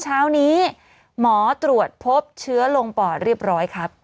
เช้านี้หมอตรวจพบเชื้อลงปอดเรียบร้อยครับ